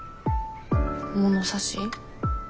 物差し？